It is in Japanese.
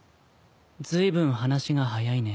ずいぶん話が早いね。